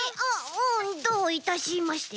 うんどういたしまして。